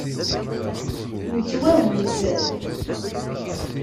Nettwahuzz.